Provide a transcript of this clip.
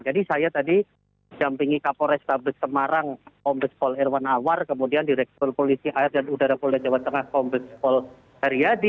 jadi saya tadi jampingi kapolres kabupaten semarang kompleks pol airwan awar kemudian direktur polisi air dan udara pol jawa tengah kompleks pol heriadi